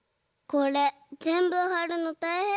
これぜんぶはるのたいへんだよね。